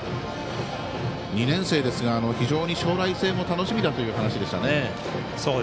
２年生ですが非常に将来性も楽しみだという話でしたね。